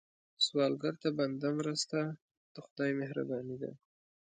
سوالګر ته بنده مرسته، د خدای مهرباني ده